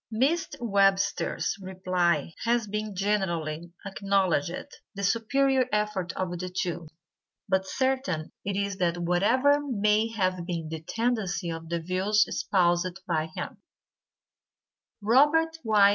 Mr. Webster's reply has been generally acknowledged the superior effort of the two; but certain it is that whatever may have been the tendency of the views espoused by him, Robert Y.